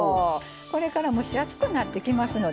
これから蒸し暑くなってきますのでね